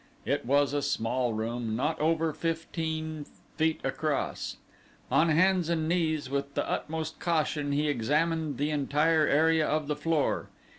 It was a small room, not over fifteen feet across. On hands and knees, with the utmost caution, he examined the entire area of the floor.